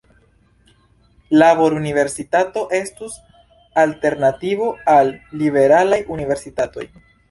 Labor-universitato estus alternativo al "liberalaj" universitatoj.